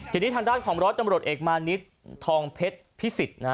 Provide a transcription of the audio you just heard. ทีนี้ทางด้านของร้อยตำรวจเอกมานิดทองเพชรพิสิทธิ์นะฮะ